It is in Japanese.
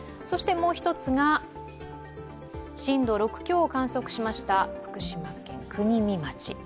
そしてもう一つが、震度６強を観測しました福島県国見町。